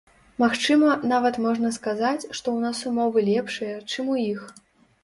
Магчыма, нават можна сказаць, што ў нас умовы лепшыя, чым у іх.